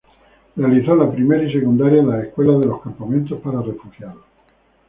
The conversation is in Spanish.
Realizó la primaria y secundaria en las escuelas de los campamentos para refugiados.